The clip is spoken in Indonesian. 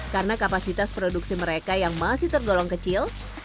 karena kapasitas produksi mereka yang masih tergolong kecil